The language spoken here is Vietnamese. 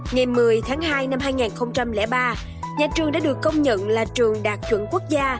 ngày một mươi tháng hai năm hai nghìn ba nhà trường đã được công nhận là trường đạt chuẩn quốc gia